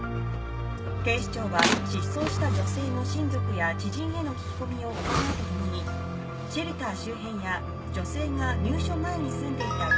警視庁は失踪した女性の親族や知人への聞き込みを行うとともにシェルター周辺や女性が入所前に住んでいた。